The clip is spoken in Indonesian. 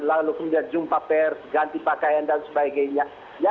lalu kemudian jumpa pers ganti pakaian dan sebagainya